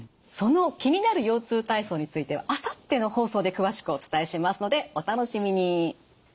その気になる腰痛体操についてはあさっての放送で詳しくお伝えしますのでお楽しみに。